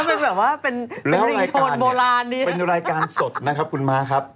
เป็นแบบว่าเป็นรีโทนโบราณนี้เป็นรายการสดนะครับคุณม้าครับ